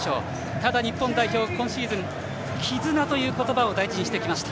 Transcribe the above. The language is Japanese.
ただ、日本代表今シーズン、絆という言葉を大事にしてきました。